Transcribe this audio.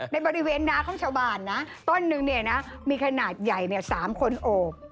ในบริเวณนาของชาวบ้านนะต้นนึงเนี่ยนะมีขนาดใหญ่๓คนโอบ